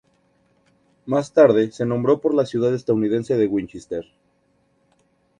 Más tarde, se nombró por la ciudad estadounidense de Winchester.